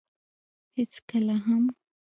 هېڅکله هم.